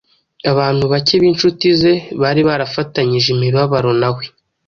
Abantu bake b’incuti ze bari barafatanyije imibabaro nawe,